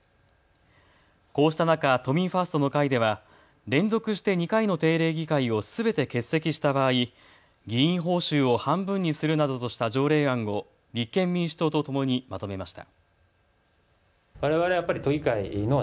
こうした中、都民ファーストの会では連続して２回の定例議会をすべて欠席した場合、議員報酬を半分にするなどとした条例案を立憲民主党とともにまとめました。